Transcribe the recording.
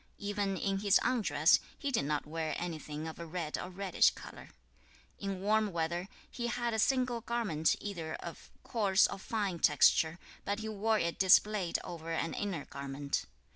2. Even in his undress, he did not wear anything of a red or reddish colour. 3. In warm weather, he had a single garment either of coarse or fine texture, but he wore it displayed over an inner garment.